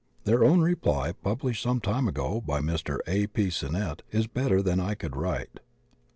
Their own reply, published some time ago by Mr. A. P. Sinnett, is bet ter than any I could write.